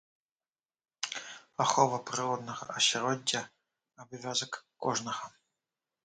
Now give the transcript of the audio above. Ахова прыроднага асяроддзя — абавязак кожнага.